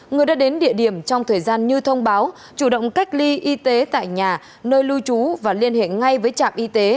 người đã đến địa điểm trong thời gian như thông báo chủ động cách ly y tế tại nhà nơi lưu trú và liên hệ ngay với trạm y tế